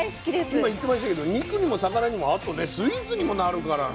今言ってましたけど肉にも魚にもあとねスイーツにもなるからね。